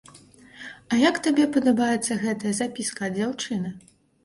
А як табе падабаецца гэтая запіска ад дзяўчыны?